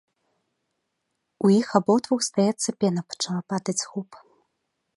У іх абодвух, здаецца, пена пачала падаць з губ.